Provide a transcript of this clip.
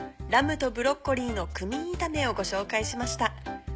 「ラムとブロッコリーのクミン炒め」をご紹介しました。